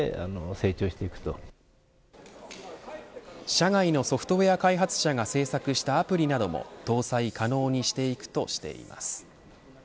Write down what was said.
社外のソフトウエア開発者が製作したアプリなども搭載可能にしていくとしています。